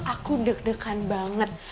aku deg degan banget